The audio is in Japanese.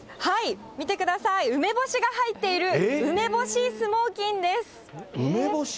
見てください、梅干しが入っている梅干しスモーキンです。